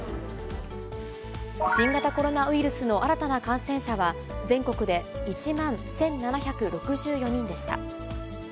新型コロナウイルスの新たな感染者は、全国で１万１７６４人でした。